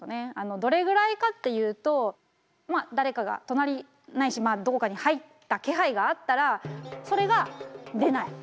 どれぐらいかっていうとまあ誰かが隣ないしどこかに入った気配があったらそれが出ない。